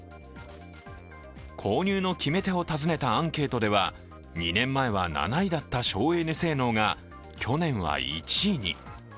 購入の決め手を尋ねたアンケートでは２年前は７位だった省エネ性能が去年は１位に。